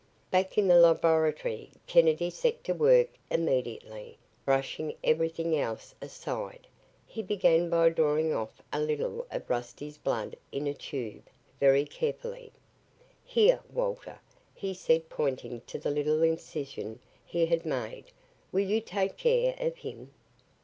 Back in the laboratory, Kennedy set to work immediately, brushing everything else aside. He began by drawing off a little of Rusty's blood in a tube, very carefully. "Here, Walter," he said pointing to the little incision he had made. "Will you take care of him?"